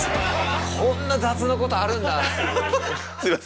こんな雑なことあるんだっていう。